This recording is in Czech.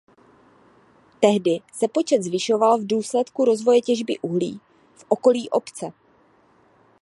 Tehdy se počet zvyšoval v důsledku rozvoje těžby uhlí v okolí obce.